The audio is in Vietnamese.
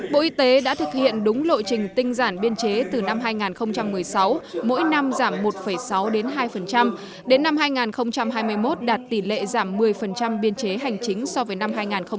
bộ y tế đã thực hiện đúng lộ trình tinh giản biên chế từ năm hai nghìn một mươi sáu mỗi năm giảm một sáu đến hai đến năm hai nghìn hai mươi một đạt tỷ lệ giảm một mươi biên chế hành chính so với năm hai nghìn một mươi tám